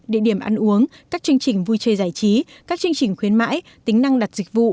địa điểm ăn uống các chương trình vui chơi giải trí các chương trình khuyến mãi tính năng đặt dịch vụ